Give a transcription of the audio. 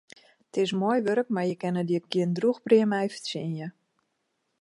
It is moai wurk, mar je kinne der gjin drûch brea mei fertsjinje.